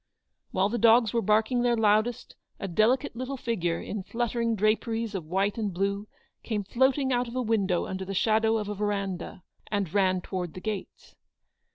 "While the dogs were barking their loudest, a delicate little figure, in fluttering draperies of HAZLEW00D. 251 white and blue, came floating out of a window under the shadow of a verandah, and ran towards the gates.